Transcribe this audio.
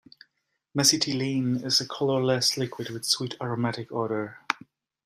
Mesitylene is a colourless liquid with sweet aromatic odor.